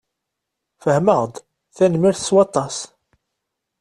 Fehmeɣ-d. Tanemmirt s waṭas.